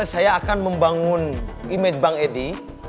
saya akan membangun image bang edi